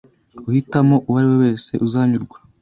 Uhitamo uwo ari we wese, uzanyurwa